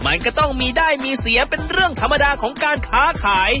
มันก็ต้องมีได้มีเสียเป็นเรื่องธรรมดาของการค้าขาย